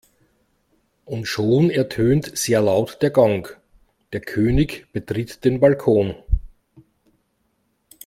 Und schon ertönt sehr laut der Gong, der König betritt den Balkon.